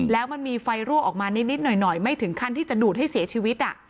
แล้วมันมีไฟรั่วออกมานิดหน่อยไม่ถึงขั้นที่จะดูดให้เสียชีวิต